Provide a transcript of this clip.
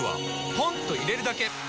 ポンと入れるだけ！